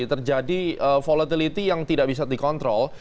terjadi volatility yang tidak bisa dikontrol